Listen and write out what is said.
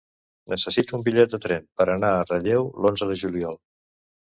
Necessito un bitllet de tren per anar a Relleu l'onze de juliol.